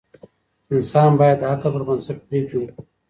انسان باید د عقل پر بنسټ پریکړې وکړي.